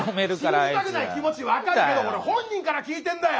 信じたくない気持ち分かるけど俺本人から聞いてんだよ！